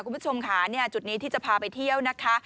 คุณผู้ชมค่ะจุดนี้ที่จะพาไปเที่ยวนะคะ